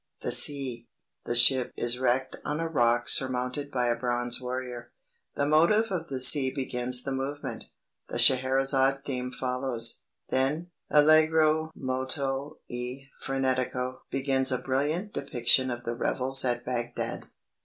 THE SEA. THE SHIP IS WRECKED ON A ROCK SURMOUNTED BY A BRONZE WARRIOR The motive of the Sea begins the movement; the Scheherazade theme follows; then (Allegro molto e frenetico) begins a brilliant depiction of the revels at Bagdad.